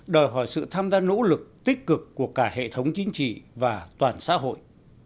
đòi hỏi sự tham gia nỗ lực tích cực của cả hệ thống chính trị và toàn xã hội